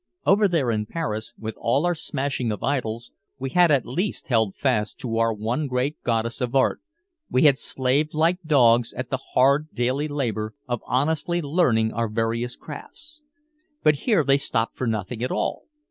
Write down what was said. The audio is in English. Over there in Paris, with all our smashing of idols, we had at least held fast to our one great goddess of art, we had slaved like dogs at the hard daily labor of honestly learning our various crafts. But here they stopped for nothing at all.